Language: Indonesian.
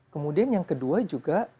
kemudian yang kedua juga